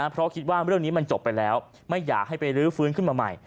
เพราะคิดว่าเรื่องนี้มันจบไปแล้วไม่อยากให้ไปรื้อฟื้นขึ้นมาใหม่